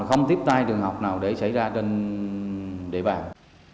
không tiếp tay trường hợp nào để cháy ra trên đề bàng